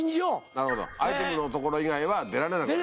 なるほどアイテムの所以外は出られなくなる。